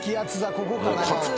ここかな？